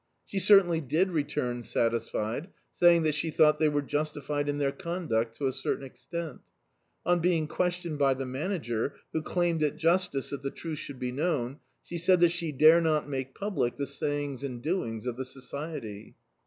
She certainly &d return satisfied, saying that she thou^t they were justified in their ccnduct, to a certain extent On being questioned by the Manager, who claimed it justice that the truth should be known, she said that she dare not make public the sayings and doings of the Society.